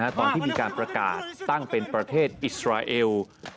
ตอนที่มีการประกาศตั้งเป็นประเทศอิสราเอล